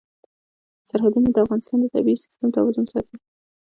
سرحدونه د افغانستان د طبعي سیسټم توازن ساتي.